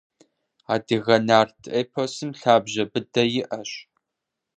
Адыгэ нарт эпосым лъабжьэ быдэ иӏэщ.